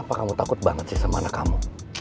apakah kamu takut banget sih sama anak kamu